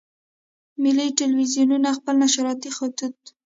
ملي ټلویزیونونه خپل نشراتي خطوط.